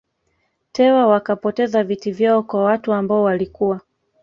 Tewa wakapoteza viti vyao kwa watu ambao walikuwa